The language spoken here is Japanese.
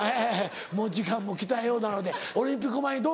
もう時間も来たようなのでオリンピック前にどう？